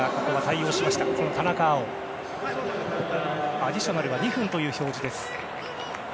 アディショナルは２分という表示です。